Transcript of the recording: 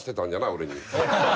俺に。